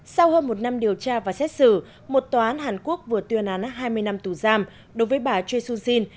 sau hơn một năm điều tra và xét xử một tòa án hàn quốc vừa tuyên án hai mươi năm tù giam đối với bà choi su jin